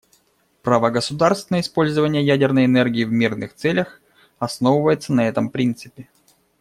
Право государств на использование ядерной энергии в мирных целях основывается на этом принципе.